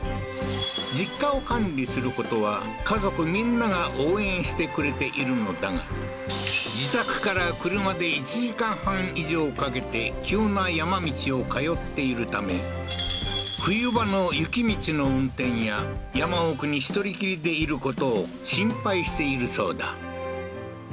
実家を管理することは家族みんなが応援してくれているのだが自宅から車で１時間半以上掛けて急な山道を通っているため冬場の雪道の運転や山奥に１人きりでいることを心配しているそうだ